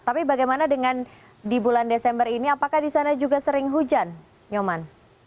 tapi bagaimana dengan di bulan desember ini apakah di sana juga sering hujan nyoman